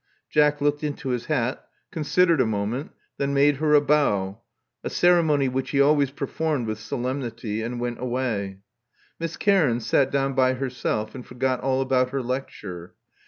Jack looked into his hat ; considered a moment ; then made her a bow — a ceremony which he always per formed with solemnity — and went away. Miss Cairns sat down by herself, and forgot all about her lecture.